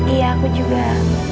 iya aku juga